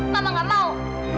mama gak mau